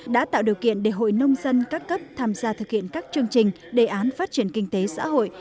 đã tạo điều kiện để hội nông dân các cấp tham gia thực hiện các chương trình đề án phát triển kinh tế xã hội